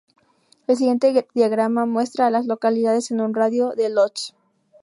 El siguiente diagrama muestra a las localidades en un radio de de Lodge.